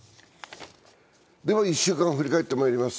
では１週間を振り返ってまいります。